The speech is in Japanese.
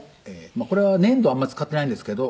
これは粘土あんまり使ってないんですけど。